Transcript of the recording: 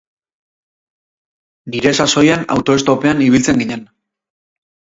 Nire sasoian autoestopean ibiltzen ginen.